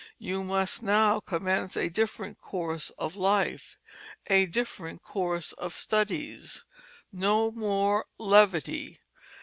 You must now commence a different course of life, a different course of studies. No more levity.